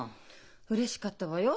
うれしかったわよ